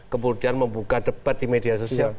kemudian membuka debat di media sosial